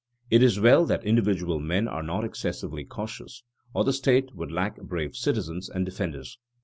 It is well that individual men are not excessively cautious, or the state would lack brave citizens and defenders.